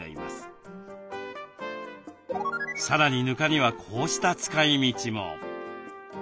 さらにぬかにはこうした使い道も。